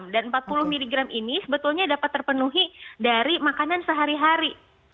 dan empat puluh mg ini sebetulnya dapat terpenuhi dari makanan sehari hari